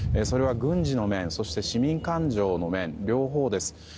それは軍事の面そして市民感情の面両方です。